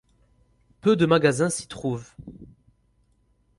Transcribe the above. Peu de magasins s'y trouvent.